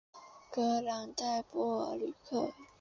格朗代尔布吕克。